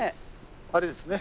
あれですね。